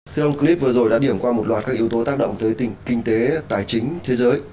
thưa ông clip vừa rồi đã điểm qua một loạt các yếu tố tác động tới kinh tế tài chính thế giới